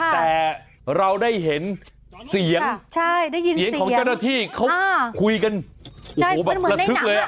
แต่เราได้เห็นเสียงของเจ้าหน้าธีเขาคุยกันแหล่ะทึกเลย